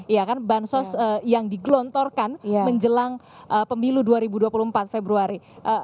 ya kan bansos yang digelontorkan menjelang pemilu dua ribu dua puluh empat februari